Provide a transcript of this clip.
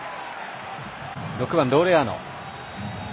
６番、ローレアーノ。